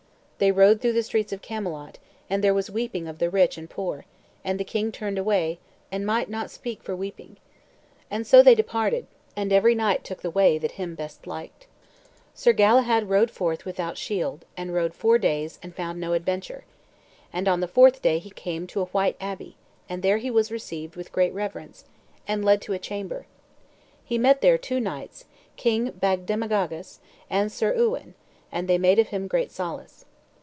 They rode through the streets of Camelot, and there was weeping of the rich and poor; and the king turned away, and might not speak for weeping. And so they departed, and every knight took the way that him best liked. Sir Galahad rode forth without shield, and rode four days, and found no adventure. And on the fourth day he came to a white abbey; and there he was received with great reverence, and led to a chamber. He met there two knights, King Bagdemagus and Sir Uwaine, and they made of him great solace.